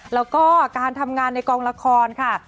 แล้วก็การทำงานในกองละครค่ะ